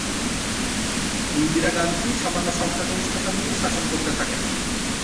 ইন্দিরা গান্ধী সামান্য সংখ্যাগরিষ্ঠতা নিয়ে শাসন করতে থাকেন।